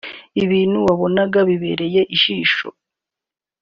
ibintu wabonaga bibereye ijisho